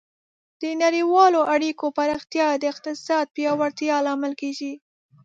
د نړیوالو اړیکو پراختیا د اقتصاد پیاوړتیا لامل کیږي.